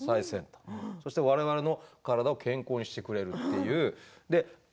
そして我々の体を健康にしてくれるという。